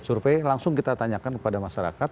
survei langsung kita tanyakan kepada masyarakat